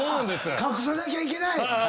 隠さなきゃいけない。